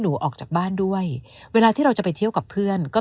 ออกจากบ้านด้วยเวลาที่เราจะไปเที่ยวกับเพื่อนก็